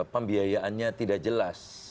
pembiayaannya tidak jelas